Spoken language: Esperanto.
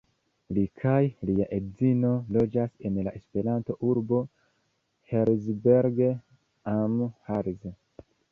Li kaj lia edzino loĝas en la Esperanto-urbo Herzberg am Harz.